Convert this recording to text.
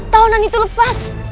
tawanan itu lepas